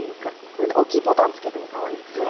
これでおっきいボタンつけてもかわいいですね。